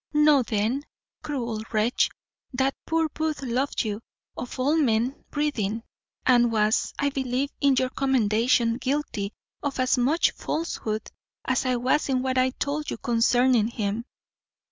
"Know, then, cruel wretch, that poor Booth loved you of all men breathing, and was, I believe, in your commendation guilty of as much falsehood as I was in what I told you concerning him.